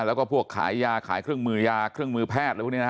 แล้วก็พวกขายยาขายเครื่องมือยาเครื่องมือแพทย์อะไรพวกนี้นะฮะ